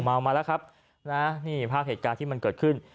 มาแล้วครับนะนี่ภาพเหตุการณ์ที่มันเกิดขึ้น